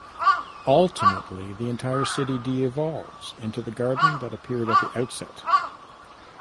Ultimately, the entire city de-evolves into the garden that appeared at the outset.